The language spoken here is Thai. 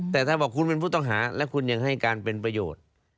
แต่ถ้าบอกคุณเป็นผู้ต้องหาและคุณยังให้การเป็นประโยชน์